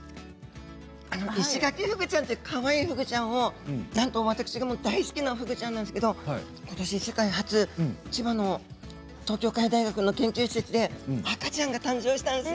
イシガキフグちゃんというかわいいふぐちゃんをなんと私が大好きなふぐちゃんなんですけれども、ことし世界初千葉の東京海洋大学の研究室で赤ちゃんが誕生したんです。